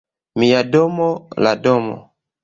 Mia domo, la domo.